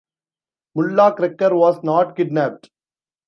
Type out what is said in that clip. Mullah Krekar was not kidnapped.